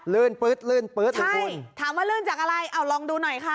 ื่นปื๊ดลื่นปื๊ดเลยคุณถามว่าลื่นจากอะไรเอาลองดูหน่อยค่ะ